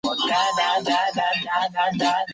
该城市是阿拉斯加州中央东部的城市。